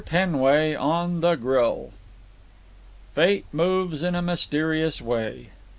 Penway on the Grill Fate moves in a mysterious way.